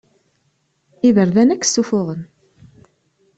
Iberdan akk sufuɣen.